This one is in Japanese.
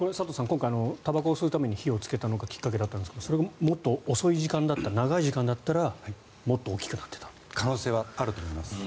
今回、たばこを吸うために火をつけたのがきっかけだったんですがそれがもっと遅い時間長い時間だったら可能性はあると思います。